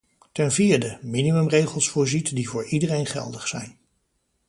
Ten vierde, minimumregels voorziet die voor iedereen geldig zijn.